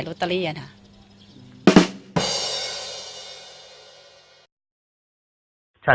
ขอบคุณทุกคน